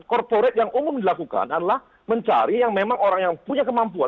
corporate yang umum dilakukan adalah mencari yang memang orang yang punya kemampuan